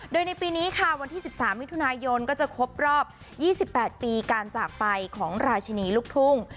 โดยในปีนี้ค่ะวันที่๑๓มิถุนายนก็จะครบรอบ๒๘ปีการจากไปของราชินีลูกทุ่ง